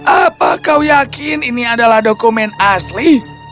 apa kau yakin ini adalah dokumen asli